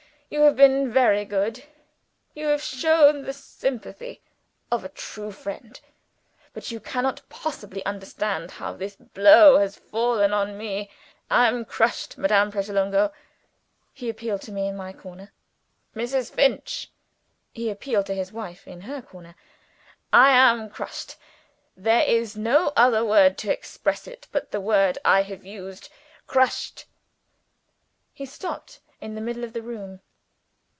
You have been very good; you have shown the sympathy of a true friend. But you cannot possibly understand how this blow has fallen on Me. I am crushed. Madame Pratolungo!" (he appealed to me, in my corner); "Mrs. Finch!" (he appealed to his wife, in her corner) "I am crushed. There is no other word to express it but the word I have used. Crushed." He stopped in the middle of the room.